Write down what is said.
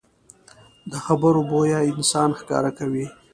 د خبرو بویه انسان ښکاره کوي